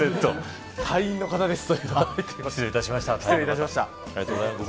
隊員の方ですと。